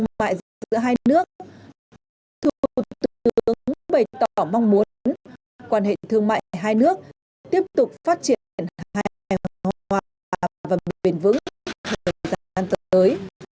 giữa hai nước thủ tướng cũng bày tỏ mong muốn quan hệ thương mại hai nước tiếp tục phát triển hài hòa và bền vững thời gian tới